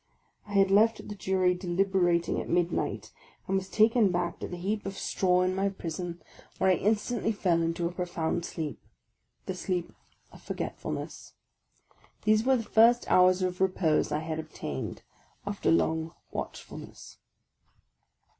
I had left the jury deliberating at midnight, and was taken back to the heap of straw in my prison, where OF A CONDEMNED 41 I instantly fell into a profound sleep, — the sleep of forget fulness. These were the first hours of repose I had obtained after long watchfulness.